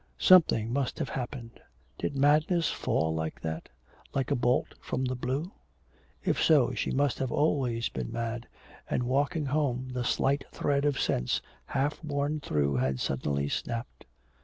Something must have happened. Did madness fall like that? like a bolt from the blue. If so she must have always been mad, and walking home the slight thread of sense half worn through had suddenly snapped.